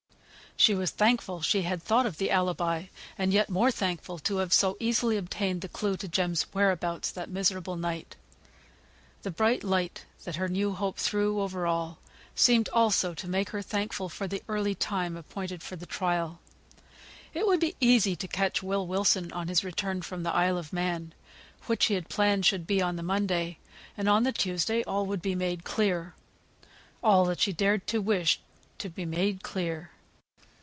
She was thankful she had thought of the alibi, and yet more thankful to have so easily obtained the clue to Jem's whereabouts that miserable night. The bright light that her new hope threw over all seemed also to make her thankful for the early time appointed for the trial. It would be easy to catch Will Wilson on his return from the Isle of Man, which he had planned should be on the Monday; and on the Tuesday all would be made clear all that she dared to wish to be made clear.